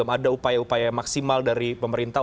ada upaya upaya maksimal dari pemerintah